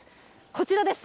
こちらです。